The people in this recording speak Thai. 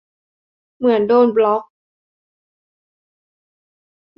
เหมือนโดนบล็อก